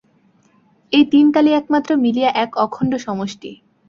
এই তিন কালই একত্র মিলিয়া এক অখণ্ড সমষ্টি।